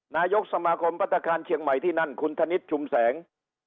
นายกสมาคมพัฒนาคารเชียงใหม่ที่นั่นคุณธนิษฐ์ชุมแสง